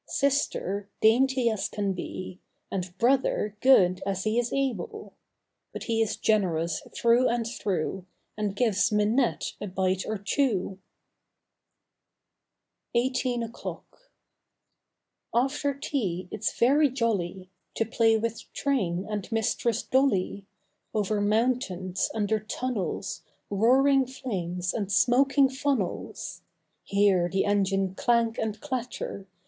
Sister dainty as can be, And Brother good as he is able. But he is generous through and through, And gives Minette a bite or two. 45 SEVENTEEN O'CLOCK 47 EIGHTEEN O'CLOCK 4ETER tea it's very jolly lTL To play with train and Mistress Dolly. Over mountains, under tunnels, Roaring flames and smoking funnels— Hear the engine clank and clatter!